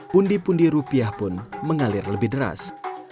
pundi pundi rupiah pun mengalir lebih deras